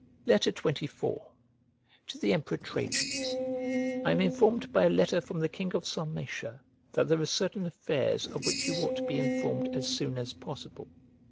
XXIV To THE EMPEROR TRAJAN I AM informed by a letter from the king of Sarmatia that there are certain affairs of which you ought to be informed as soon as possible.